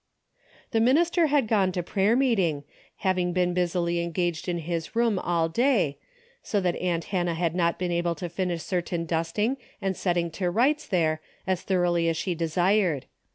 The minister had gone to prayer meeting, having been busily engaged in his room all day, so that aunt Hannah had not been able to finish certain dusting and setting to rights there as thoroughly as she desired.